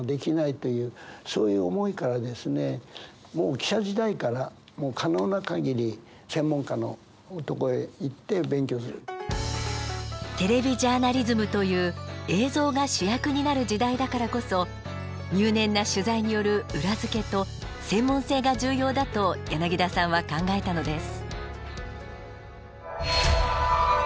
私自身がどういうことかっていうとテレビジャーナリズムという「映像」が主役になる時代だからこそ入念な取材による「裏付け」と「専門性」が重要だと柳田さんは考えたのです。